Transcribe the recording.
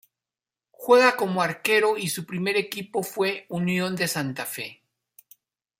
Juega como arquero y su primer equipo fue Unión de Santa Fe.